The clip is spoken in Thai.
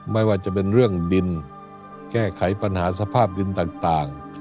ไม่ว่าจะเป็นเรื่องดินแก้ไขปัญหาสภาพดินต่าง